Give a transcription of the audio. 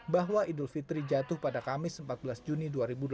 bahwa idul fitri jatuh pada kamis empat belas juni dua ribu delapan belas